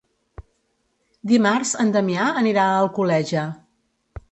Dimarts en Damià anirà a Alcoleja.